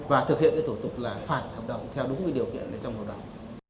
và thực hiện cái thủ tục là phạt hợp đồng theo đúng cái điều kiện trong hợp đồng